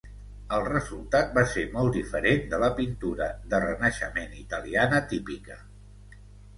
El resultat va ser molt diferent de la pintura de Renaixement italiana típica.